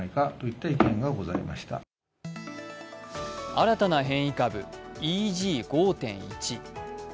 新たな変異株、ＥＧ５．１。